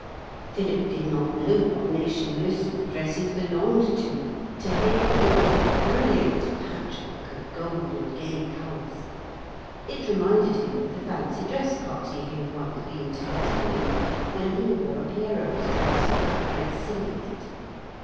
Philip did not know what nation most of the dresses belonged to to him it was a brilliant patchwork of gold and gay colours. It reminded him of the fancy dress party he had once been to with Helen, when he wore a Pierrot's dress and felt very silly in it.